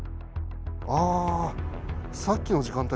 ああさっきの時間帯